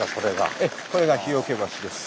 ええこれが火除橋です。